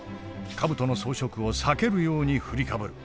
兜の装飾を避けるように振りかぶる。